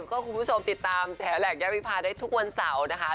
ก็คุณผู้ชมติดตามแสแหลกย่าวิพาได้ทุกวันเสาร์นะคะ